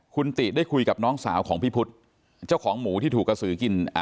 คุณติได้คุยกับน้องสาวของพี่พุทธเจ้าของหมูที่ถูกกระสือกิน